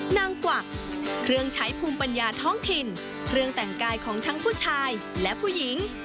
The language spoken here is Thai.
ที่ผู้ชายแหละผู้หญิง